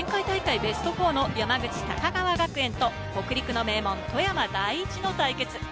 ベスト４の山口・高川学園と、北陸の名門・富山第一の対決。